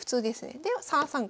で３三角。